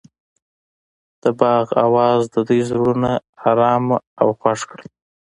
د باغ اواز د دوی زړونه ارامه او خوښ کړل.